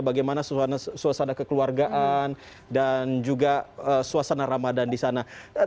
bagaimana suasana kekeluargaan dan juga suasana ramadan di sana